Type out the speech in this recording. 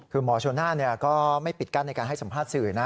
คือหมอโชน่าก็ไม่ปิดกั้นในการให้สัมภาษณ์สื่อนะ